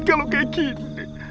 kalau kayak gini